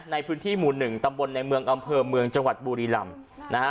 ในพื้นที่หมู่หนึ่งตำบลในเมืองอำเภอเมืองจังหวัดบุรีรำนะฮะ